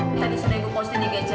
tadi sudah ikut posting di gj